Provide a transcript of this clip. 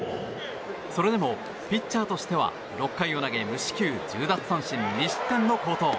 それでも、ピッチャーとしては６回を投げ無四球１０奪三振２失点の好投。